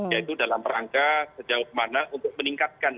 yaitu dalam rangka sejauh mana untuk meningkatkan